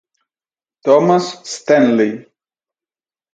Thomas Stanley